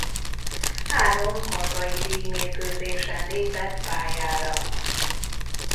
Három hazai díjmérkőzésen lépett pályára.